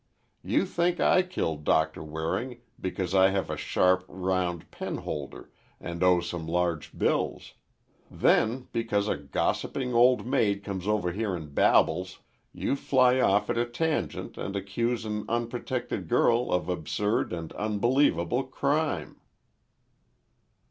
You think I killed Doctor Waring, because I have a sharp, round penholder, and owe some large bills. Then, because a gossiping old maid comes over here and babbles, you fly off at a tangent and accuse an unprotected girl of absurd and unbelievable crime."